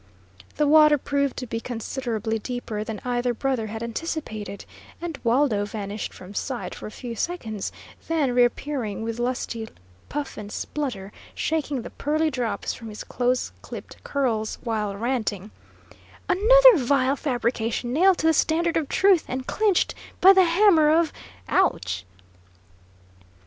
The water proved to be considerably deeper than either brother had anticipated, and Waldo vanished from sight for a few seconds, then reappearing with lusty puff and splutter, shaking the pearly drops from his close clipped curls, while ranting: "Another vile fabrication nailed to the standard of truth, and clinched by the hammer of ouch!"